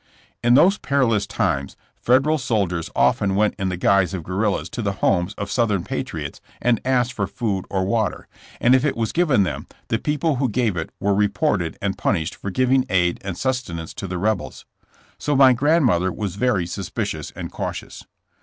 In those perilous times Federal soldiers often went in the guise of guerrillas to the homes of Southern patriots and asked for food or water, and if it was given them the people who gave it were re ported and punished for giving aid and sustenance to the rebels. So my grandmother was very suspicious and cautious.